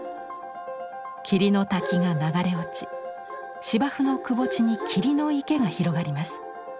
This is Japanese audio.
霧の滝が流れ落ち芝生のくぼ地に霧の池が広がります。